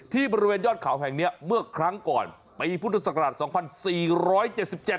ที่บริเวณยอดข่าวแห่งเนี่ยเมื่อครั้งก่อนปีพุทธศักราช๒๔๗๗